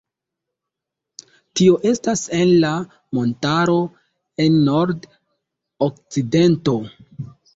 Tio estas en la montaro, en nord-okcidento.